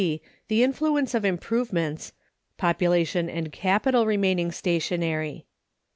The Influence of Improvements (Population and Capital remaining stationary).